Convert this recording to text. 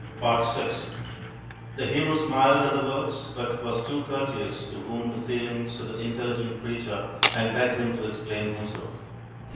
VI The hero smiled at the words, but was too courteous to wound the feelings of the intelligent creature and begged him to explain himself.